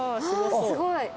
すごい。